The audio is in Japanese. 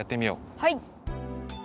はい！